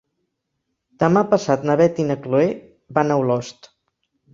Demà passat na Beth i na Chloé van a Olost.